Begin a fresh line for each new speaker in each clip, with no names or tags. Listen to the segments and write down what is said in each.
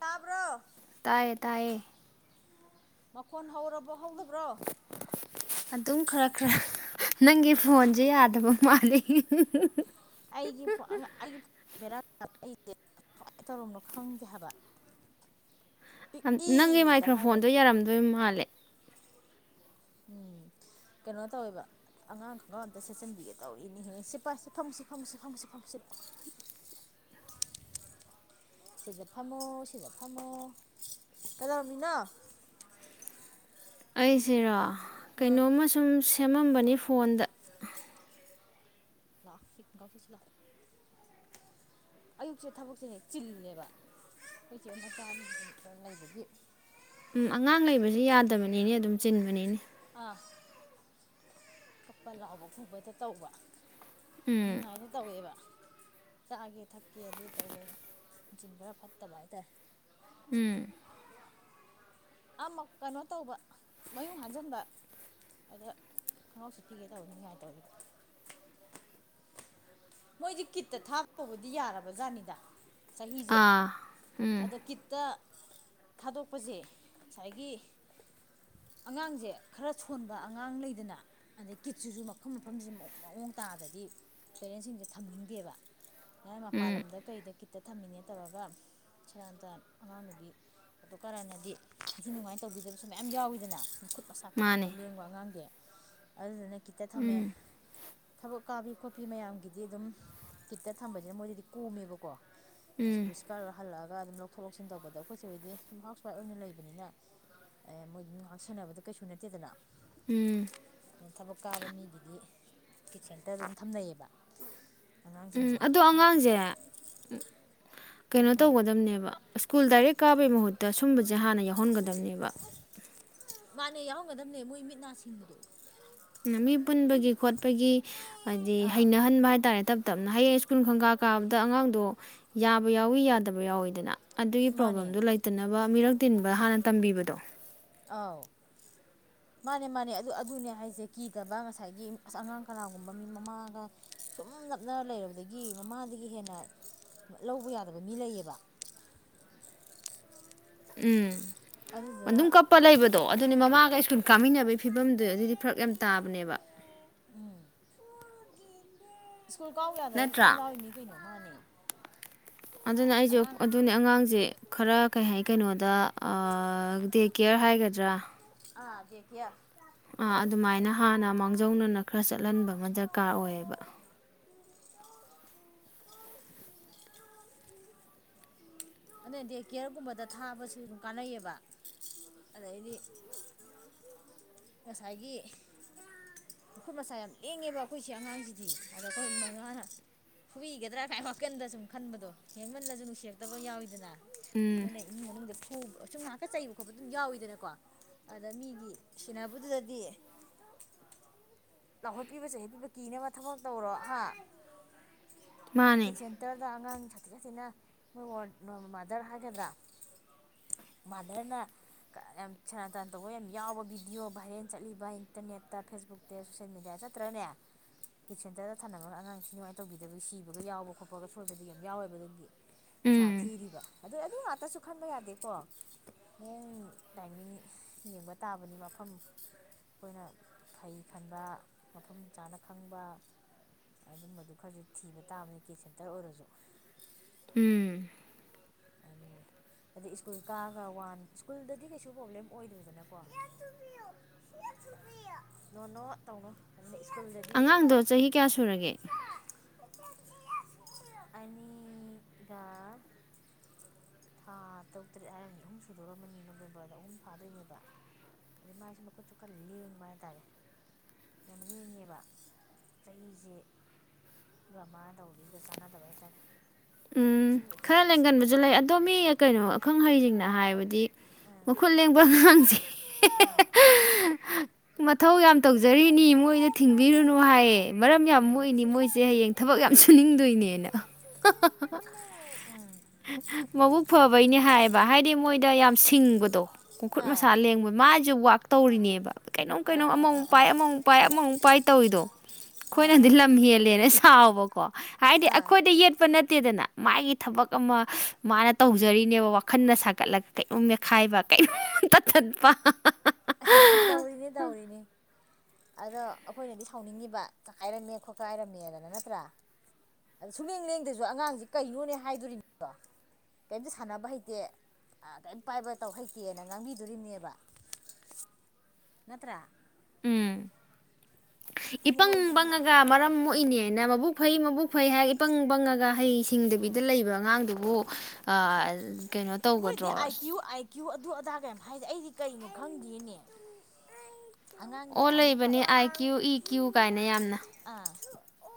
ꯇꯥꯕ꯭ꯔꯣ
ꯇꯥꯌꯦ ꯇꯥꯌꯦ
ꯃꯈꯣꯟ ꯍꯧꯔꯕ ꯍꯧꯒ
ꯑꯗꯨꯝ ꯈꯔ ꯈꯔ ꯅꯪꯒꯤ ꯐꯣꯟꯁꯦ ꯌꯥꯗꯕ ꯃꯥꯜꯂꯤ ꯍ
ꯑꯩꯒꯤ ꯑꯩꯒꯤ ꯑꯩꯗꯤ ꯀꯃꯥꯏꯅ ꯇꯧꯔꯝꯅꯣ ꯈꯪꯗꯦ ꯍꯥꯏꯕ
ꯅꯪꯒꯤ
ꯄꯤꯛꯏꯗ
ꯃꯥꯏꯈ꯭ꯔꯣ
ꯍꯥꯏ ꯂꯩ
ꯐꯣꯟꯗꯣ ꯌꯥꯔꯝꯗꯣꯏ ꯃꯥꯜꯂꯦ
ꯎꯝ ꯀꯩꯅꯣ ꯇꯧꯋꯦꯕ ꯑꯉꯥꯡ ꯈꯪꯒ ꯑꯝꯇ ꯁꯦꯠꯆꯤꯟꯕꯤꯒꯦ ꯇꯧꯔꯤꯅꯦꯍꯌꯦ ꯁꯤꯦ ꯄꯥꯏ ꯁꯤꯦ ꯐꯝꯃꯨꯁꯦ ꯐꯝꯃꯨꯁꯦ ꯐꯝꯃꯨꯁꯦ ꯐꯝꯃꯨ ꯁꯤꯗ ꯁꯤꯗ ꯐꯝꯃꯣ ꯁꯤꯗ ꯊꯝꯃꯣ ꯀꯗꯧꯃꯤꯅꯣ
ꯑꯩꯁꯤꯔꯣ
ꯎꯝ
ꯀꯩꯅꯣꯝꯃ ꯁꯨꯝ ꯁꯦꯝꯃꯝꯕꯅꯤ ꯐꯣꯟꯗ
ꯂꯥꯛ ꯀꯥꯎꯁꯤꯤꯁꯂꯥꯛꯑꯣ ꯑꯌꯨꯛꯁꯦ ꯊꯕꯛꯁꯦ ꯍꯦꯛ ꯆꯤꯜꯂꯦꯕ ꯑꯩꯈꯣꯏꯆꯦꯅ ꯆꯥ ꯂꯩꯕꯒꯤ
ꯎꯝ ꯑꯉꯥꯡ ꯂꯩꯕꯁꯤ ꯌꯥꯗꯕꯅꯤꯅꯦ ꯑꯗꯨꯝ ꯆꯤꯟꯕꯅꯤꯅꯦ
ꯀꯥ ꯀꯛꯄ ꯂꯥꯎꯕ ꯈꯣꯄꯗ ꯇꯧꯕ
ꯎꯝ
ꯅꯤꯡꯉꯥꯏꯅ ꯇꯧꯋꯦꯕ ꯆꯥꯒꯦ ꯊꯛꯀꯦ ꯑꯗꯨ ꯇꯧꯕ ꯌꯥ ꯃꯆꯤꯟ ꯈꯔ ꯐꯠꯇꯕ ꯍꯥꯏꯇꯥꯔꯦ
ꯎꯝ
ꯑꯃ ꯀꯩꯅꯣ ꯇꯧꯕ ꯃꯌꯨꯡ ꯍꯟꯖꯟꯕ ꯑꯗ ꯈꯪꯍꯧꯁꯨ ꯄꯤꯒꯦ ꯇꯧꯕꯅꯤꯉꯥꯏꯇꯧꯔꯤ ꯃꯣꯏꯗꯤ ꯀꯤꯠꯇ ꯊꯥꯛꯇꯧꯕꯗꯤ ꯌꯥꯔꯕꯖꯥꯅꯤꯗ ꯆꯍꯤꯁꯦ
ꯑꯥ ꯎꯝ
ꯑꯗꯣ ꯀꯤꯠꯇ ꯊꯥꯗꯣꯛꯄꯁꯦ ꯉꯁꯥꯏꯒꯤ ꯑꯉꯥꯡꯁꯦ ꯈꯔ ꯁꯣꯟꯕ ꯑꯉꯥꯡ ꯂꯩꯗꯅ ꯑꯗꯩ ꯀꯤꯠꯁꯤꯁꯨ ꯃꯐꯝ ꯃꯐꯝꯁꯦ ꯃꯑꯣꯡ ꯇꯥꯗꯗꯤ ꯄꯦꯔꯦꯟꯁꯤꯡꯗꯦ ꯊꯝꯅꯤꯡꯗꯦꯕ ꯑꯦ ꯃ
ꯎꯝ
ꯄꯜꯂꯝꯗ ꯀꯩꯗ ꯇ ꯊꯝꯃꯤꯅꯦ ꯇꯧꯔꯒ ꯁꯔꯝꯇ ꯑꯉꯥꯡ ꯅꯨꯕꯤ ꯑꯗꯨ ꯀꯔꯅꯗꯤ ꯅꯤꯡꯊꯤ ꯅꯨꯡꯉꯥꯏꯅ ꯇꯧꯕꯤꯗꯕꯁꯨ ꯃꯌꯥꯝ ꯌꯥꯎꯋꯤꯗꯅꯠ ꯃꯁꯥ ꯀꯥ ꯍꯦꯟꯅ
ꯃꯥꯅꯦ
ꯂꯦꯡꯕ ꯑꯉꯥꯡꯗꯤ ꯑꯗꯨꯅ ꯀꯇ ꯊꯝꯃꯦ ꯊꯕꯛ ꯀꯥꯕꯤ ꯈꯣꯠꯄꯤ ꯃꯌꯥꯝꯒꯤ ꯗꯤ ꯑꯗꯨꯝ ꯀꯤꯠꯇ ꯊꯝꯕꯁꯤꯅ ꯃꯣꯏꯗꯗꯤ ꯀꯣꯝꯃꯦꯕꯀꯣ ꯑ
ꯎꯝ
ꯄꯨꯁꯀꯔ ꯍꯜꯂ ꯒ ꯑꯗꯨꯝ ꯂꯧꯊꯣꯛ ꯂꯧꯁꯤꯟ ꯇꯧꯕꯗ ꯑꯩꯈꯣꯏꯁꯦ ꯍꯧꯗꯤ ꯁꯨꯝ ꯍꯥꯎꯁ ꯋꯥꯏꯐ ꯑꯣꯏꯅ ꯂꯩꯕꯅꯤꯅ ꯃꯣꯏꯗꯨꯝ ꯉꯥꯏꯍꯥꯛ ꯁꯦꯟꯅꯕꯗ ꯀꯩꯁꯨ ꯅꯠꯇꯦꯗꯅ ꯊꯕꯛ ꯀꯥꯕ ꯃꯤꯒꯤꯗꯤ ꯀꯤꯠ ꯁꯦꯟꯇꯔ ꯑꯗꯨꯝ ꯊꯝꯅꯩꯌꯦꯕ
ꯎꯝ
ꯑꯉꯥꯡꯁꯤꯡꯁꯦ
ꯑꯗꯣ ꯑꯉꯥꯡꯁꯦ ꯀꯩꯅꯣ ꯇꯧꯒꯗꯝꯕꯅꯦꯕ ꯁ꯭ꯀꯨꯜ ꯗꯥꯏꯔꯦꯛ ꯀꯥꯕꯒꯤ ꯃꯍꯨꯠꯇ ꯁꯨꯝꯕꯁꯦ ꯍꯥꯟꯅ ꯌꯥꯎꯍꯟꯒꯗꯝꯕꯅꯦꯕ
ꯃꯥꯅꯦ ꯌꯥꯎꯔꯝꯒꯗꯕꯅꯦ ꯃꯣꯏ ꯃꯤꯠ ꯅꯥ ꯁꯤꯡꯕꯗꯣ
ꯃꯤ ꯄꯨꯟꯕꯒꯤ ꯈꯣꯠꯄꯒꯤ ꯍꯥꯏꯗꯤ
ꯑꯥ
ꯍꯩꯅꯍꯟꯕ ꯍꯥꯏꯇꯥꯔꯦꯞ ꯇꯞꯅ ꯍꯌꯦꯡ ꯁ꯭ꯀꯨꯜ ꯈꯪꯒꯥꯥ ꯀꯥꯕꯗ ꯑꯉꯥꯡꯗꯣ ꯌꯥꯕ ꯌꯥꯎꯋꯤ ꯌꯥꯗꯕ ꯌꯥꯎꯋꯤꯗꯅ ꯑꯗꯨꯒꯤ
ꯃꯥꯅꯦ
ꯄ꯭ꯔꯣꯕ꯭ꯂꯦꯝꯗꯨ ꯂꯩꯇꯅꯕ ꯃꯤꯔꯛ ꯇꯤꯟꯕ ꯍꯥꯟꯅ ꯇꯝꯕꯤꯕꯗꯣ
ꯑꯧ ꯃꯥꯅꯦ ꯃꯥꯅꯦ ꯑꯗꯨ ꯑꯗꯨꯅꯦ ꯍꯥꯏꯁꯦ ꯀꯤꯗꯕ ꯉꯁꯥꯏꯒꯤ ꯑꯁ ꯑꯉꯥꯡ ꯀꯅꯥꯒꯨꯝꯕ ꯃꯤ ꯃꯃꯥꯒ ꯁꯨꯝ ꯅꯞꯅ ꯂꯩꯔꯕꯗꯒꯤ ꯃꯃꯥꯗꯒꯤ ꯍꯦꯟꯅ ꯂꯧꯕ ꯌꯥꯗꯕ ꯃꯤ ꯂꯩꯌꯦꯕ
ꯎꯝ
ꯑꯗꯨꯗꯨꯅ
ꯃꯅꯨꯡꯝ ꯀꯞꯄ ꯂꯩꯕꯗꯣ ꯑꯗꯨꯅꯦ ꯃꯃꯥꯒ ꯁꯁꯨ ꯀꯥꯃꯤꯟꯅꯕꯒꯤ ꯐꯤꯕꯝꯗꯨ ꯑꯗꯨꯗꯤ ꯐꯔꯛ ꯌꯥꯝ ꯇꯥꯕꯅꯦꯕ
ꯎꯝ ꯁ꯭ꯀꯨꯜ ꯀꯥꯎ ꯌꯥꯗꯕ ꯃꯌꯥꯝ
ꯅꯠꯇ꯭ꯔꯥ
ꯂꯥꯎꯏ ꯃꯤ ꯀꯩꯅꯣ ꯃꯥꯅꯦ
ꯑꯗꯨꯅ ꯑꯩꯁꯨ
ꯑꯉꯥꯡ
ꯑꯗꯨꯅꯦ ꯑꯉꯥꯡꯁꯦ ꯈꯔ ꯀꯩ ꯍꯥꯏ ꯀꯩꯅꯣꯗ ꯗꯦ ꯀꯦꯌꯔ ꯍꯥꯏꯒꯗ꯭ꯔꯥ
ꯑꯥ ꯗꯦ ꯀꯌꯥ
ꯑ ꯑꯗꯨꯃꯥꯏꯅ ꯍꯥꯟꯅ ꯃꯥꯡꯖꯧꯅꯅ ꯈꯔ ꯆꯠꯍꯟꯕ ꯑꯃ ꯗꯔꯀꯥꯔ ꯑꯣꯏꯌꯦꯕ
ꯑꯗꯨꯅꯗꯤ ꯀꯦꯌꯔꯒꯨꯝꯕꯗ ꯊꯥꯕꯁꯨ ꯑꯗꯨꯝ ꯀꯥꯟꯅꯩꯌꯦꯕ ꯑꯗꯩꯗꯤ ꯉꯁꯥꯏꯒꯤ ꯃꯈꯨꯠ ꯃꯆꯥ ꯌꯥꯝ ꯂꯦꯡꯉꯦꯕ ꯑꯩꯈꯣꯏꯁꯦ ꯑꯉꯥꯡꯁꯤꯗꯤ ꯑꯗ ꯐꯨꯕꯤꯒꯗ꯭ꯔꯥ ꯀꯥꯏ ꯋꯥꯈꯟꯗ ꯁꯨꯝ ꯈꯟꯕꯗꯣ ꯌꯦꯡꯃꯜꯂꯁꯨ ꯅꯨꯡꯁꯤꯛꯇꯕ ꯌꯥꯎꯋꯏꯗꯅ
ꯎꯝ
ꯃꯣꯏꯅꯦ ꯏꯃ ꯃꯅꯨꯡ ꯕ ꯑ ꯁꯨꯝ ꯉꯥꯏꯍꯥꯛꯇ ꯆꯩꯕ ꯈꯣꯠꯄ ꯑꯗꯨꯝ ꯌꯥꯎꯋꯤꯗꯅꯀꯣ ꯑꯗ ꯃꯤꯒꯤ ꯁꯤꯟꯅꯕꯗꯨꯗꯗꯤ ꯂꯥꯎꯈꯠꯄꯤꯕ ꯆꯩꯍꯠꯄꯤꯕ ꯀꯤꯅꯕ ꯊꯕꯛ ꯇꯧꯔꯣ ꯍꯥ ꯅꯀꯤ
ꯃꯥꯅꯦ
ꯁꯦꯟꯇꯔꯗ ꯑꯉꯥꯡ ꯁꯥꯊꯤ ꯁꯥꯊꯤꯅ ꯅꯣꯏ ꯃꯥꯗꯔ ꯍꯥꯏꯒꯗ꯭ꯔꯥ ꯃꯥꯗꯔꯅ ꯌꯥꯝ ꯁꯦꯅꯥ ꯇꯥꯟꯟ ꯇꯧꯕ ꯌꯥꯝ ꯌꯥꯎꯕ ꯕꯤꯗꯤꯑꯣ ꯚꯥꯏꯔꯦꯜ ꯆꯠꯂꯤꯕ ꯏꯟꯇꯔꯅꯦꯠꯇ ꯐꯦꯁꯕꯨꯛꯇ ꯁꯣꯁꯦꯜ ꯃꯦꯗꯤꯌꯥꯗ ꯆꯠꯇ꯭ꯔꯅꯦ ꯀꯤꯠ ꯁꯦꯟꯇꯔꯗ ꯊꯅꯕꯅ ꯑꯉꯥꯡ ꯁꯤ ꯃꯥꯏꯅ ꯇꯧꯕꯤꯗꯕ ꯁꯤꯕꯒ ꯌꯥꯎꯕ ꯈꯣꯠꯄꯒ ꯁꯣꯏꯕꯗ ꯌꯥꯝ ꯌꯥꯎꯋꯦꯕ ꯑꯗꯒꯤ ꯅꯨꯡꯁꯥ
ꯎꯝ
ꯊꯤꯔꯤꯕ ꯑꯗꯨ ꯑꯗꯨ ꯉꯥꯛꯇꯁꯨ ꯈꯟꯕ ꯌꯥꯗꯦꯀꯣ ꯃꯑꯣꯡ ꯇꯥꯏꯃꯤꯡ ꯌꯦꯡꯕ ꯇꯥꯕꯅꯤ ꯃꯐꯝ ꯑꯩꯈꯣꯏꯅ ꯐꯩ ꯈꯟꯕ ꯃꯐꯝ ꯆꯥꯅ ꯈꯪꯕ ꯑꯗꯨꯝꯕꯗꯨ ꯈꯔꯁꯨ ꯊꯤꯕ ꯇꯥꯕꯅꯤ ꯀꯦꯠ ꯁꯦꯟꯇꯔ ꯑꯣꯏꯔꯁꯨ
ꯎꯝ
ꯑꯗꯨ ꯑꯗꯩ ꯁ꯭ꯀꯨꯜ ꯀꯥꯑꯒ ꯋꯥꯟ ꯁ꯭ꯀꯨꯜꯗꯗꯤ ꯀꯩꯁꯨ ꯄ꯭ꯔꯣꯕ꯭ꯂꯦꯝ ꯑꯣꯏꯗ꯭ꯔꯦꯗꯅꯀꯣ ꯂꯣꯟꯅꯣ ꯇꯧꯅꯣ ꯑꯗꯨꯅ ꯁ꯭ꯀꯨꯜꯗꯗꯤ
ꯑꯉꯥꯡꯗꯣ ꯆꯍꯤ ꯀꯌꯥ ꯁꯨꯔꯒꯦ
ꯑꯅꯤꯒꯥ ꯊꯥ ꯇꯔꯨꯛ ꯇꯔꯦꯠ ꯍꯥꯏꯔꯝꯅꯤ ꯑꯍꯨꯝ ꯁꯨꯗꯣꯔꯑꯝꯃꯅꯤ ꯅꯣꯕꯦꯝꯕꯔꯗ ꯑꯍꯨꯝ ꯐꯥꯗꯣꯏꯅꯦꯕ ꯑꯗꯩ ꯃꯥꯁꯦ ꯃꯈꯨꯠꯁꯨꯀꯟ ꯂꯦꯡꯕ ꯍꯥꯏ ꯇꯥꯔꯦ ꯌꯥꯝ ꯂꯦꯡꯉꯦꯕ ꯆꯍꯤꯁꯦ ꯃꯥꯅ ꯇꯧꯕꯒꯤꯁꯤꯒ ꯆꯥꯟꯅꯗꯕ ꯍꯥꯏ ꯇꯥꯔꯦ
ꯎꯝ
ꯁꯤꯁꯤꯡꯃꯖꯣ
ꯈꯔ ꯂꯦꯡꯒꯟꯕꯁꯨ ꯂꯩ ꯑꯗꯣꯝ ꯃꯤ ꯀꯩꯅꯣ ꯑꯈꯪ ꯑꯍꯩꯁꯤꯡꯅ ꯍꯥꯏꯕꯗꯤ
ꯑꯥ
ꯃꯈꯨꯠ ꯂꯦꯡꯕ ꯉꯥꯡꯁꯦ ꯃꯊꯧ ꯌꯥꯝ ꯇꯧꯖꯔꯤꯅꯤ ꯃꯣꯏꯗ ꯊꯤꯡꯕꯤꯔꯨꯅꯨ ꯍꯥꯏꯌꯦ ꯃꯔꯝ ꯌꯥꯝ ꯃꯣꯏꯅꯤ ꯃꯣꯏꯁꯦ ꯍꯌꯦꯡ ꯊꯕꯛ ꯌꯥꯝ ꯁꯨꯅꯤꯡꯗꯣꯏꯅꯦꯅ ꯃꯕꯨꯎꯛ ꯐꯕꯩꯅꯦ ꯍꯥꯏꯌꯦꯕ ꯍꯥꯏꯗꯤ ꯃꯣꯏꯗ ꯌꯥꯝ ꯁꯤꯡꯕꯗꯣ ꯀꯣꯡꯈꯨꯠ ꯃꯁꯥ ꯂꯦꯡꯕꯗ ꯃꯥꯁꯨ ꯇꯧꯔꯤꯅꯦꯕ ꯀꯩꯅꯣꯝ ꯀꯩꯅꯣꯝ ꯑꯃꯃꯨꯛ ꯄꯥꯏ ꯑꯃꯃꯨꯛ ꯄꯥꯏ ꯑꯃꯃꯨꯛ ꯄꯥꯏ ꯇꯧꯔꯤꯗꯣ ꯑꯩꯈꯣꯏꯅꯗꯤ
ꯑꯥ
ꯂꯝ ꯍꯦꯜꯂꯦꯅ ꯊꯕ ꯀꯣ ꯍꯥꯏꯗꯤ
ꯑꯥ ꯑꯥ
ꯑꯩꯈꯣꯏꯗ ꯌꯦꯠꯄ ꯅꯠꯇ ꯦꯗꯅ ꯃꯥꯒꯤ ꯊꯕꯛ ꯑꯃ ꯃꯥꯅ ꯇꯧꯖꯔꯤꯅꯦꯕ ꯋꯥꯈꯜꯅ ꯁꯥꯒꯠꯂꯒ ꯀꯩꯅꯣꯝ ꯃꯦꯠꯈꯥꯏꯕ ꯀꯩꯅꯣꯝ ꯇꯠꯊꯠꯄ
ꯇꯧꯔꯤꯅꯦ ꯇꯧꯔꯤꯅꯤ ꯑꯗꯣ ꯑꯩꯈꯣꯏꯅꯗꯤ ꯁꯥꯎꯅꯤꯡꯉꯤꯕ ꯇꯛꯈꯥꯏꯔꯝꯃꯦ ꯈꯣꯠꯀꯥꯏꯔꯝꯃꯦꯗꯅ ꯅꯠꯇ꯭ꯔꯥ ꯑꯗꯣ ꯁꯨꯂ ꯂꯦꯡꯗꯁꯨ ꯑꯉꯥꯡꯁꯤ ꯀꯩꯅꯣꯅꯦ ꯍꯥꯏꯗꯣꯔꯤꯅꯤꯗꯣ ꯀꯔꯤꯝꯇ ꯁꯥꯟꯅꯕ ꯍꯩꯇꯦ ꯀꯔꯤꯝꯇ ꯄꯥꯏꯕ ꯇꯧ ꯍꯩꯇꯦꯅ ꯉꯥꯡꯕꯤꯗꯣꯔꯤꯝꯅꯦꯕ ꯅꯠꯇ꯭ꯔ
ꯎꯝ
ꯑꯅꯤ
ꯏꯄꯪ
ꯃꯣꯏꯁꯤꯗꯤ
ꯄꯪꯉꯒ ꯃꯔꯝ ꯃꯣꯛꯏꯅꯦꯅ ꯃꯕꯨꯛ ꯐꯩ ꯃꯕꯨꯛ ꯑꯩꯣꯏ ꯍꯥꯏ ꯏ ꯄꯪ ꯄꯪꯉꯒ ꯍꯩ
ꯎꯝ
ꯁꯤꯡꯗꯕꯤꯗ ꯂꯩꯕ ꯑꯉꯥꯡꯗꯨꯕꯨ ꯀꯩꯅꯣ
ꯃꯣꯏꯗꯤ
ꯇꯧꯒꯗ꯭ꯔꯣ
ꯑꯥꯏ ꯀ꯭ꯌꯨ ꯑꯥꯏ ꯀ꯭ꯌꯨ ꯑꯗꯨ ꯑꯗꯥꯥ ꯀꯩꯝ ꯍꯥꯏꯗꯤ ꯑꯩꯗꯤ ꯀꯩꯅꯣ ꯈꯪꯗꯦꯅꯦ ꯑꯉꯥꯡꯒꯤ
ꯑꯣ
ꯑ
ꯂꯩꯕꯅꯦ ꯑꯥꯏ ꯀ꯭ꯌꯨ ꯏ ꯀ꯭ꯌꯨ ꯀꯥꯏꯅ ꯌꯥꯝꯅ
ꯑꯥ ꯑꯣ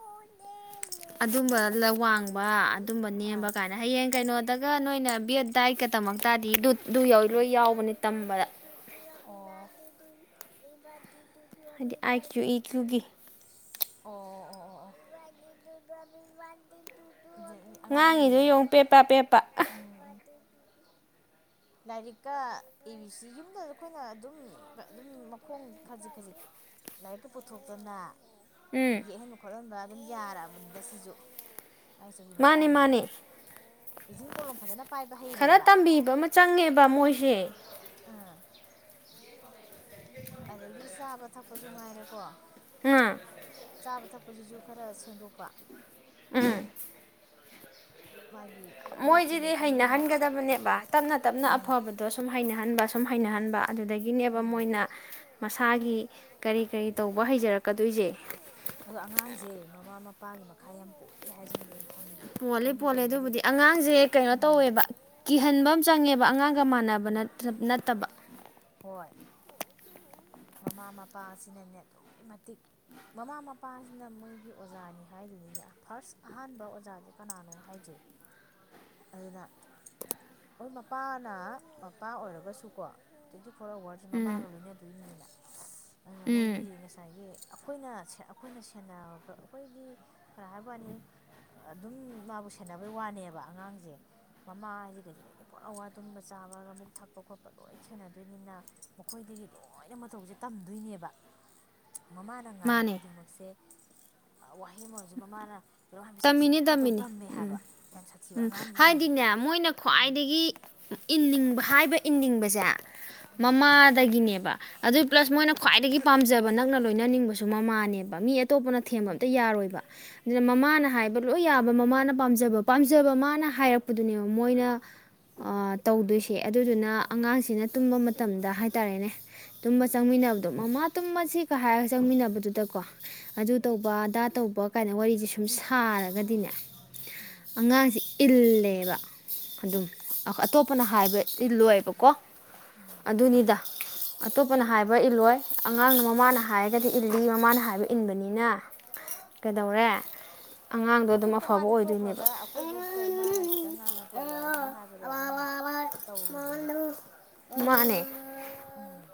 ꯑꯗꯨꯝꯕ
ꯑꯣ
ꯋꯥꯡꯕ ꯑꯗꯨꯝꯕ ꯅꯦꯝꯕ ꯀꯥꯏꯅ ꯍꯌꯦꯡ ꯀꯩꯅꯣ ꯇꯒ ꯅꯣꯏꯅ ꯕꯤꯠ
ꯃꯥ ꯇꯅꯤ ꯃꯥ
ꯌꯥꯎꯕꯅꯦ ꯇꯝꯕꯗ
ꯇ ꯃꯥ ꯇ ꯃ
ꯍꯥꯏꯗꯤ ꯑꯥꯏ ꯀ꯭ꯌꯨ ꯏ ꯀꯌꯨꯒꯤ
ꯑꯣ ꯑꯣ ꯏꯗꯨ ꯏꯗꯨ
ꯉꯥꯡꯉꯤꯗꯨꯣ ꯌꯦꯡꯉꯨ ꯄꯦꯞꯄ ꯄꯦꯞꯄ
ꯎꯝ ꯂꯥꯏꯔꯤꯛꯀ ꯏꯁꯤ ꯌꯨꯝꯗ ꯑꯩꯈꯣꯏꯅ ꯑꯗꯨꯝ ꯑꯗꯨꯝ ꯃꯈꯣꯡ ꯈꯖꯤꯛ ꯈꯖꯤꯛ ꯂꯥꯏꯔꯤꯛꯀ ꯄꯨꯊꯣꯛꯇꯅ
ꯎꯝ
ꯌꯦꯛꯍꯟ ꯈꯣꯠꯍꯟꯕ ꯑꯗꯨꯝ ꯌꯥꯔꯛꯑꯕꯅꯤꯗ ꯁꯤꯁꯨ ꯃꯥꯏꯆꯒꯤ
ꯃꯥꯅꯦ
ꯃꯇꯥꯡꯁꯦ
ꯃꯥꯅꯦ
ꯍꯤꯆꯤꯟ ꯀꯣꯂꯣꯝ ꯐꯖꯅ ꯄꯥꯏꯕ
ꯈꯔ
ꯍꯩꯔꯦꯕ
ꯇꯝꯕꯤꯕ ꯑꯃ ꯆꯪꯉꯦꯕ ꯃꯣꯏꯁꯦ
ꯑꯥ ꯑꯗꯒꯤ ꯁꯥꯕ ꯊꯛꯄꯁꯨ ꯉꯥꯏꯔꯦꯀꯣ
ꯎꯝ
ꯆꯥꯕ ꯊꯛꯄꯁꯤꯁꯨ ꯈꯔ ꯁꯦꯝꯗꯣꯛꯄ
ꯎꯝ
ꯃꯥꯒꯤ ꯋꯦꯠꯀꯤ
ꯃꯣꯏꯁꯤꯗꯤ
ꯃꯇꯨꯡ ꯏꯟꯅ
ꯍꯩꯅꯍꯟꯒꯗꯕꯅꯦꯕ ꯇꯞꯅ ꯇꯞꯅ
ꯎꯝ
ꯑꯐꯕꯗꯣ ꯁꯨꯝ ꯍꯩꯅꯍꯟꯕ ꯁꯨꯝ ꯍꯩꯅꯍꯟꯕ ꯑꯗꯨꯗꯒꯤꯅꯦꯕ
ꯎꯝ
ꯃꯣꯏꯅ ꯃꯁꯥꯒꯤ ꯀꯔꯤ ꯀꯔꯤ ꯇꯧꯕ ꯍꯩꯖꯔꯛꯀꯗꯣꯏꯁꯦ
ꯄꯄꯥ ꯃꯈꯥ ꯌꯥꯝ ꯄꯣꯛꯏꯦ ꯑꯦ ꯍꯥꯏꯁꯤꯃꯗꯤ ꯑꯩꯅ ꯈꯪꯉꯤ ꯃꯔꯝꯗꯤ
ꯈꯣꯠꯂꯦ
ꯀꯩꯅꯣꯗꯤ
ꯑꯗꯨꯕꯨꯗꯤ ꯑꯉꯥꯡꯁꯦ ꯀꯩꯅꯣ
ꯎꯝ
ꯇꯧꯋꯦꯕ ꯀꯤꯍꯟꯕ ꯆꯪꯉꯦꯕ ꯑꯉꯥꯡ ꯒ ꯃꯥꯟꯅꯕ
ꯎꯝ
ꯅꯠꯇꯕ
ꯍꯣꯏ ꯃꯃꯥ ꯃꯄꯥ ꯑꯁꯤꯅꯅꯦ ꯑꯗꯨꯛꯀꯤ ꯃꯇꯤꯛ ꯃꯃꯥ ꯃꯄꯥꯁꯤꯅ ꯃꯣꯏꯒꯤ ꯑꯣꯖꯥꯅꯤ ꯍꯥꯏꯗꯨꯅꯤꯅꯦ ꯐꯥꯔꯁ ꯑꯍꯥꯟꯕ ꯑꯣꯖꯥꯁꯦ ꯀꯅꯥꯅꯣ ꯍꯥꯏꯁꯦ ꯑꯗꯨꯅ ꯍꯣꯏ ꯃꯄꯥꯅ ꯃꯄꯥ ꯑꯣꯏꯔꯒꯁꯨꯀꯣ ꯇ ꯐꯣꯔ ꯑꯋꯥꯔꯁꯦ
ꯎꯝ
ꯃꯃꯥꯒ ꯂꯣꯏꯅꯗꯣꯏꯅꯤꯗꯅ ꯑꯗꯨꯅ
ꯎꯝ
ꯃꯣꯏꯗꯤ ꯉꯁꯥꯏꯒꯤ ꯑꯩꯈꯣꯏꯅ ꯑꯩꯈꯣꯏꯅ ꯁꯦ ꯑꯩꯈꯣꯏꯗꯤ ꯈꯔ ꯍꯥꯏꯕꯅꯤ ꯑꯗꯨꯝ ꯃꯥꯕꯨ ꯁꯦꯟꯅꯕꯩ ꯋꯥꯅꯦꯕ ꯑꯉꯥꯡꯁꯦ ꯃꯃꯥ ꯍꯥꯏꯗꯤ ꯀꯩꯗꯤꯗꯩꯗꯤ ꯄꯨꯣꯔꯥ ꯋꯥ ꯇꯨꯝꯕ ꯆꯥꯕꯒ ꯑꯃꯨꯛ ꯊꯛꯄ ꯈꯣꯠꯄ ꯂꯣꯏꯅ ꯁꯥꯟꯅꯗꯣꯏꯅꯤꯅ ꯃꯈꯣꯏꯗꯒꯤ ꯂꯣꯏꯅ ꯃꯇꯧꯁꯦ ꯇꯝꯗꯣꯏꯅꯦꯕ ꯃꯃꯥꯅ ꯉꯥꯡꯕ
ꯃꯥꯅꯦ
ꯈꯨꯗꯤꯡꯃꯛꯁꯦ ꯋꯥꯍꯩ ꯍꯧꯖꯤꯛ ꯃꯃꯥꯅ ꯀꯩꯅꯣꯝ ꯍꯥꯏꯕꯁꯦ ꯑꯁꯦ
ꯇꯝꯃꯤꯅꯤ
ꯑꯗꯨꯝ ꯃꯇꯧ
ꯇꯝꯃꯤꯅꯤ
ꯇꯝꯃꯦ
ꯎꯝ
ꯍꯥꯏꯕ ꯌꯥꯝ ꯁꯥꯊꯤꯕ
ꯎꯝ
ꯑꯉꯥꯡꯒꯤꯁꯤꯡꯁꯦ
ꯍꯥꯏꯗꯤꯅꯦ ꯃꯣꯏꯅ
ꯎꯝ
ꯈ꯭ꯋꯥꯏꯗꯒꯤ ꯏꯅꯤꯡꯕ ꯍꯥꯏꯕ ꯏꯅꯤꯡꯕꯁꯦ
ꯎꯝ
ꯃꯃꯥꯗꯒꯤꯅꯦꯕ ꯑꯗꯨ ꯄ꯭ꯂꯁ ꯃꯣꯏꯅ
ꯑꯥ
ꯈ꯭ꯋꯥꯏꯗꯒꯤ ꯄꯥꯝꯖꯕ ꯅꯛꯅ ꯂꯣꯏꯅꯅꯤꯡꯕꯁꯨ ꯃꯃꯥꯅꯦꯕ ꯃꯤ ꯑꯇꯣꯞꯄꯅ ꯊꯦꯝꯕ ꯑꯝꯇ
ꯎꯝ
ꯌꯥꯔꯣꯏꯕ ꯑꯗꯨꯅ ꯃꯃꯥꯅ ꯍꯥꯏꯕ ꯂꯣꯏ ꯌꯥꯕ ꯃꯃꯥꯅ ꯄꯥꯝꯖꯕ ꯄꯥꯝꯖꯕ ꯃꯥꯅ ꯍꯥꯏꯔꯛꯄꯗꯨꯅꯦꯕ ꯃꯣꯏꯅ ꯇꯧꯗꯣꯏꯁꯦ ꯑꯗꯨꯗꯨꯅ ꯑꯉꯥꯡꯁꯤꯅ ꯇꯨꯝꯕ ꯃꯇꯝꯗ ꯍꯥꯏꯇꯥꯔꯦꯅꯦ ꯇꯨꯝꯕ
ꯎꯝ
ꯆꯪꯃꯤꯟꯅꯕꯗꯣ ꯃꯃꯥ ꯇꯨꯝ ꯑꯁꯤꯒ ꯍꯥꯏꯔꯒ ꯆꯪꯃꯤꯟꯅꯕꯗꯨꯗꯀꯣ ꯑꯗꯨ ꯇꯧꯕ ꯑꯗꯥ ꯇꯧꯕ ꯄꯣ ꯀꯥꯏꯅ ꯋꯥꯔꯤꯁꯦ ꯁꯨꯝ ꯍꯥ ꯑꯗꯨꯅꯦ ꯑꯉꯥꯡꯁꯤ ꯏꯜꯂꯦꯕ ꯑꯗꯨꯝ ꯑꯇꯣꯞꯄ ꯐꯅ ꯍꯥꯏꯕꯗꯤ ꯂꯣꯏꯕꯀꯣ
ꯎꯝ
ꯑꯗꯨꯅꯤꯗ ꯑꯇꯣꯞꯄꯅ ꯍꯥꯏꯕ꯭ꯔ ꯏꯜꯂꯣꯏ ꯑꯉꯥꯡꯅ ꯃꯃꯥꯅ ꯍꯥꯏꯔꯒꯗꯤ ꯏꯜꯂꯤ ꯃꯃꯥꯅ ꯍꯥꯏꯕ ꯏꯟꯕꯅꯤꯅ ꯀꯩꯗꯧꯔꯦ ꯑꯉꯥꯡꯗꯣ ꯑꯗꯨꯝ
ꯑꯄꯤꯛꯄ
ꯑꯐꯕ
ꯃꯥꯗꯤ
ꯑꯣꯏꯗꯣꯏꯅꯦꯕ
ꯇꯣꯛꯈ꯭ꯔꯗ꯭ꯔ ꯑꯩꯈꯣꯏꯕꯨꯥꯎꯇ ꯏꯃꯥꯅ ꯈꯤꯇꯪ ꯉꯥꯡꯉꯛꯄꯗ ꯏꯁꯥ ꯍꯥꯏꯕꯗ ꯑꯗꯨꯝ ꯇꯧꯔꯤꯗꯨꯅꯤ
ꯃꯥꯅꯦ
ꯎꯝ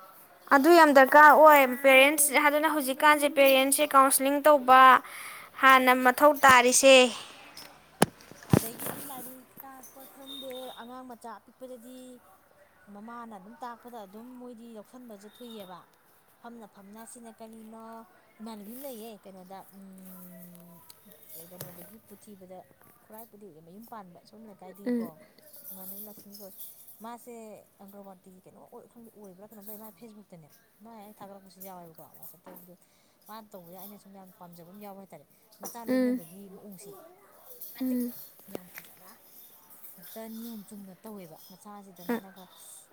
ꯑꯗꯨ ꯌꯥꯝ ꯗꯔꯀꯥꯔ ꯑꯣꯏ ꯄꯦꯔꯦꯟꯁ ꯑꯗꯨꯅ ꯍꯧꯖꯤꯛꯀꯥꯟꯁꯦ ꯄꯦꯔꯦꯟꯁꯁꯦ ꯀꯥꯎꯟꯁꯂꯤꯡ ꯇꯧꯕ ꯍꯥꯟꯅ ꯃꯊꯧ ꯇꯥꯔꯤꯁꯦ
ꯑꯗꯒꯤꯗꯤ ꯂꯥꯏꯔꯤꯛ ꯇꯥꯛꯄ ꯈꯪꯗꯦ ꯑꯉꯥꯡ ꯃꯆꯥ ꯑꯄꯤꯛꯄꯗꯗꯤ ꯃꯃꯥꯅ ꯑꯗꯨꯝ ꯇꯥꯛꯄꯗ ꯑꯗꯨꯝ ꯃꯣꯏꯗꯤ ꯌꯥꯎꯁꯟꯕꯁꯦ ꯊꯨꯏꯑꯕ ꯐꯝꯅ ꯐꯝꯅ ꯁꯤꯅ ꯀꯔꯤꯅꯣ ꯏꯃꯥꯟꯅꯕꯤ ꯑꯃ ꯂꯩꯌꯦ ꯀꯩꯅꯣꯗ ꯀꯩꯅꯣꯗꯒꯤ ꯄꯨꯊꯤꯕꯗ ꯈꯨꯔꯥꯏꯕꯨꯗꯤ ꯍꯧꯗꯤ ꯃꯌꯨꯝ ꯄꯥꯟꯕ ꯑꯣꯝ ꯂꯩꯀꯥꯏꯗꯒꯤꯀꯣ ꯉꯅꯕ ꯂ ꯃꯤꯈꯣꯏ ꯃꯥꯁꯦ ꯑꯪꯒ꯭ꯔꯋꯥꯇꯤꯒꯤ ꯀꯩꯅꯣꯝ ꯑꯣꯏ ꯈꯪꯗꯦ ꯑꯣꯏꯕ꯭ꯔꯥ ꯀꯩꯅꯣꯝ ꯂꯩ ꯃꯥ ꯐꯦꯁꯕꯨꯛꯇꯅꯦ ꯃꯥ ꯑꯩꯅ ꯊꯥꯒꯠꯂꯛꯄꯁꯨ ꯌꯥꯎꯋꯦꯕꯀꯣ ꯋꯥꯆꯞꯇ ꯕꯤꯗꯤꯑꯣ ꯃꯥꯅ ꯇꯧꯕꯗ ꯑꯩꯅ ꯁꯨꯝ ꯌꯥꯝꯅ ꯄꯥꯝꯖꯕ ꯑꯃ ꯌꯥꯎꯕ ꯍꯥꯏꯇꯥꯔꯦ ꯃꯇꯆꯥ ꯂꯣꯏꯅꯕꯒꯤ ꯃꯑꯣꯡꯁꯦ ꯑꯗꯨꯛꯀꯤ ꯃꯇꯤꯛ
ꯎꯝ
ꯌꯥꯝ ꯐꯖꯅ ꯍꯦꯛꯇ ꯅꯤꯌꯣꯝ ꯆꯨꯝꯅ ꯇꯧꯋꯦꯕ ꯃꯁꯁꯤꯗ ꯃꯥꯅꯒ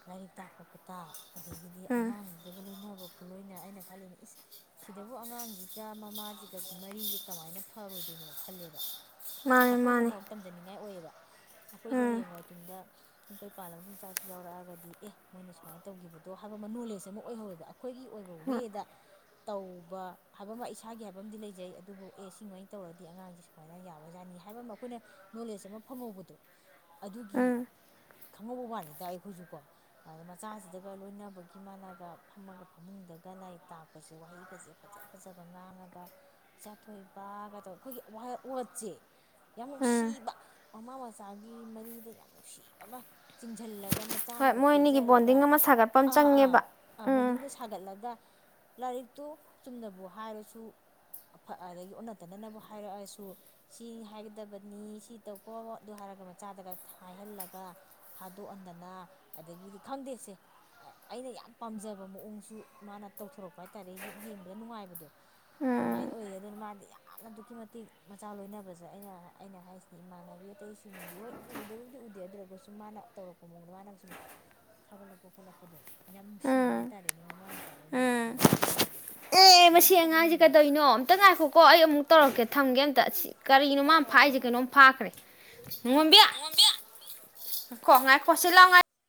ꯂꯥꯏꯔꯤꯛ ꯇꯥꯛꯄ ꯈꯨꯣꯇꯥꯞ ꯑꯗꯒꯤꯗꯤ
ꯎꯝ
ꯑꯉꯥꯡꯗꯨꯗꯒ ꯂꯣꯏꯅꯕ ꯈꯨꯠꯂꯣꯏꯅ ꯑꯩꯅ ꯈꯜꯂꯤꯦꯅꯦ ꯏꯁ ꯁꯤꯗꯕꯨ ꯑꯉꯥꯡꯁꯤꯒ ꯃꯃꯥꯁꯤꯒꯒꯤ ꯃꯔꯤꯁꯤ ꯀꯃꯥꯏꯅ ꯐꯔꯣꯏꯗꯣꯏꯅꯣ ꯈꯜꯂꯦꯕ
ꯃꯥꯅꯤ ꯃꯥꯅꯤ
ꯑꯩꯈꯣꯏꯅꯐꯥꯎ ꯇꯝꯖꯅꯤꯡꯉꯥꯏ ꯑꯣꯏꯌꯦꯕ ꯑꯩꯈꯣꯏꯁꯨ
ꯎꯝ
ꯍꯌꯦꯡꯋꯥꯏ ꯇꯨꯡꯗ ꯌꯨꯝ ꯀꯩ ꯄꯥꯜꯂ ꯑꯃ ꯑꯗꯨꯝ ꯆꯥꯏꯁꯨ ꯌꯥꯎꯔꯛꯑꯒꯗꯤ ꯑꯦ ꯃꯣꯏꯅ ꯁꯨꯃꯥꯏꯅ ꯇꯧꯈꯤꯕꯗꯣ ꯍꯥꯏꯕ ꯑꯃ ꯅꯣꯂꯦꯖ ꯑꯃ ꯑꯣꯏꯍꯧꯋꯦꯕ ꯑꯩꯈꯣꯏꯒꯤ ꯑꯣꯏꯕ
ꯍꯣꯏ
ꯋꯦꯗ ꯇꯧꯕ ꯍꯥꯏꯕ ꯑꯃ ꯏꯁꯥꯒꯤ ꯍꯥꯏꯕꯃ ꯂꯩꯖꯩ ꯑꯗꯨꯕꯨ ꯑꯦ ꯁꯨꯃꯥꯏꯅ ꯇꯧꯔꯗꯤ ꯑꯉꯥꯡꯁꯦ ꯁꯨꯃꯥꯏꯅ ꯌꯥꯎ ꯑꯣꯖꯥꯅꯤ ꯍꯥꯏꯕ ꯑꯃ ꯑꯩꯈꯣꯏꯅ ꯅꯣꯂꯦꯖ ꯑꯃ ꯐꯪꯍꯧꯕꯗꯣ
ꯎꯝ
ꯑꯗꯨꯒꯤ ꯈꯪꯉꯧꯕ ꯋꯥꯅꯤꯗ ꯍꯗ ꯑꯩꯈꯣꯏꯁꯨꯀꯣ ꯑꯗ ꯃꯆꯥꯁꯤꯗꯒ ꯂꯣꯏꯅꯕꯒꯤ ꯃꯥꯥꯟꯅꯂꯒ ꯐꯝꯃꯒ ꯐꯃꯨꯡꯗꯒ ꯂꯥꯏꯔꯤꯛ ꯇꯥꯛꯄꯁꯦ ꯋꯥꯍꯩꯒꯁꯦ ꯐꯖ ꯐꯖꯕ ꯉꯥꯡꯉꯒ ꯏꯆꯥꯊꯣꯏꯕꯒ ꯇꯧꯋ ꯑꯩꯈꯣꯏꯒꯤ ꯁꯦ ꯌꯥꯝ
ꯎꯝ
ꯅꯨꯡꯁꯤꯕ ꯃꯃꯥ ꯃꯆꯥꯒꯤ ꯃꯔꯤꯗ ꯌꯥꯝ ꯅꯨꯡꯁꯤꯕ ꯑꯃ ꯆꯤꯡꯁꯤꯜꯂꯒ
ꯍꯣꯏ
ꯃꯆꯥꯅꯒ
ꯃꯣꯏ ꯑꯅꯤꯒꯤ
ꯀꯦꯖꯔꯒ
ꯕꯣꯟꯗꯤꯡ ꯑꯃ ꯁꯥꯒꯠꯄ ꯑꯃ ꯆꯪꯉꯦꯕ ꯎꯝ
ꯊꯥꯒꯠꯂꯒ ꯂꯥꯏꯔꯤꯛꯇꯨ ꯆꯨꯝꯅꯕꯨ ꯍꯥꯏꯔꯁꯨ ꯑꯗꯒꯤ ꯑꯣꯟꯅ ꯇꯅꯅꯕꯕꯨ ꯍꯥꯏꯔꯛꯑꯁꯨ ꯁꯤ ꯍꯥꯏꯒꯗꯕꯅꯤ ꯁꯤ ꯇꯧꯀꯣ ꯑꯗꯨ ꯍꯥꯏꯔꯒ ꯃꯆꯥꯗꯒ ꯍꯥꯏꯍꯜꯂꯒ ꯐꯥꯗꯣꯛꯍꯟꯗꯅ ꯑꯗꯒꯤꯗꯤ ꯈꯪꯗꯦꯁꯦ ꯑꯩꯅ ꯌꯥꯝ ꯄꯥꯝꯖꯕ ꯃꯑꯣꯡꯁꯨ ꯃꯥꯅ ꯇꯧꯊꯣꯔꯛꯄ ꯍꯥꯏꯇꯥꯥꯔꯦ ꯌꯦꯡꯕꯗ ꯅꯨꯡꯉꯥꯏꯕꯗꯣ
ꯎꯝ
ꯑꯗꯨꯃꯥꯏꯅ ꯑꯣꯏꯌꯦ ꯑꯗꯨꯅ ꯃꯥꯗꯤ ꯌꯥꯝꯅ ꯑꯗꯨꯛꯀꯤ ꯃꯇꯤꯛ ꯃꯆꯥ ꯂꯣꯏꯅꯕꯁꯦ ꯑꯩꯅ ꯑꯩꯅ ꯍꯥꯏꯁꯤꯗꯤ ꯏꯃꯥꯟꯅꯕꯤ ꯑꯇꯩꯁꯤꯡꯗꯤ ꯍꯣꯏ ꯎꯗꯕꯨꯗꯤ ꯎꯗꯦ ꯑꯗꯨꯔꯒ ꯁꯨꯝ ꯃꯥꯅ ꯇꯧꯔꯛꯄ ꯃꯑꯣꯡꯗ ꯃꯥꯅ ꯁꯨꯝ ꯊꯥꯒꯠꯂꯛꯄ ꯈꯣꯠꯂꯛꯄꯗꯣ ꯌꯥꯝ ꯅꯨꯡ ꯁꯤꯕ
ꯎꯝ
ꯍꯥꯏꯇꯥꯥꯔꯦꯅꯦ ꯃꯃꯥ ꯃꯆꯥ
ꯎꯝ
ꯂꯣꯏꯅꯕꯒꯤ ꯈꯨ ꯂꯣꯏꯅꯗꯣ
ꯑꯦ ꯃꯁꯤ ꯑꯉꯥꯡꯁꯦ ꯀꯩꯗꯧꯅꯣ ꯑꯝꯇ ꯉꯥꯏꯈꯣꯀꯣ ꯑꯩ ꯑꯃꯨꯛ ꯇꯧꯔꯛꯀꯦ ꯊꯝꯒꯦ ꯑꯝꯇ ꯑꯁꯤ ꯀꯔꯤꯅꯣ ꯃꯥ
ꯍꯣꯏ ꯍꯣꯏ ꯍꯣꯏ
ꯐꯥꯏꯁꯦ ꯀꯩꯅꯣꯝ ꯐꯥꯈ꯭ꯔꯦ
ꯑꯥ
ꯃꯨꯝꯕꯤ ꯉꯏꯈꯣ ꯉꯥꯏꯈꯣ ꯁꯤ ꯂꯥꯎ